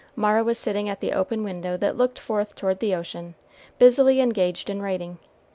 Mara was sitting at the open window that looked forth toward the ocean, busily engaged in writing.